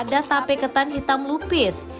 ada tape ketan hitam lupis